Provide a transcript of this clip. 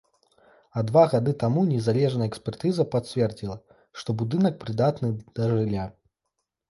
А два гады таму незалежная экспертыза пацвердзіла, што будынак прыдатны да жылля.